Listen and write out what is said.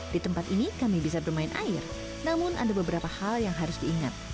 di tempat ini kami bisa bermain air namun ada beberapa hal yang harus diingat